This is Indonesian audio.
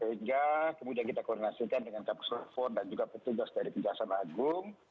sehingga kemudian kita koordinasikan dengan kapus reform dan juga petugas dari kejaksaan agung